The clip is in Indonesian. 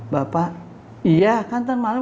bapak iya kan tadi malam